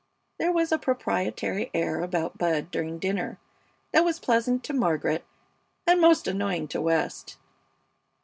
There was a proprietary air about Bud during dinner that was pleasant to Margaret and most annoying to West.